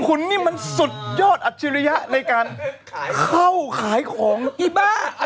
คุณนี่มันสุดยอดอัจฉริยะในการเข้าขายของอีบ้า